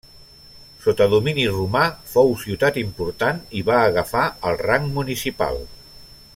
Sota domini romà fou ciutat important i va agafar el rang municipal.